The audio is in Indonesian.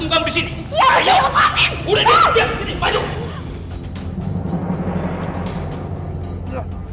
kasian tahu keatna